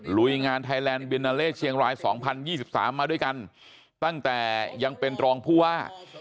ลุยงานไทยแลนด์บินนาเล่เชียงราย๒๐๒๓มาด้วยกันตั้งแต่ยังเป็นรองผู้ว่า